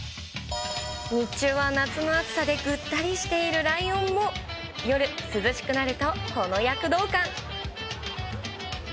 日中は夏の暑さでぐったりしているライオンも、夜、涼しくなるとこの躍動感。